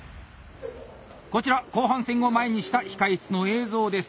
こちら後半戦を前にした控え室の映像です。